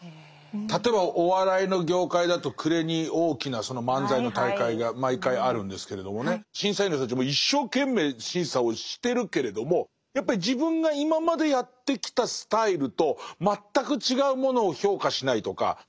例えばお笑いの業界だと暮れに大きなその漫才の大会が毎回あるんですけれどもね審査員の人たちも一生懸命審査をしてるけれどもやっぱり自分が今までやってきたスタイルと全く違うものを評価しないとか。